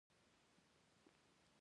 ایا ستاسو پښې په سمه لار نه ځي؟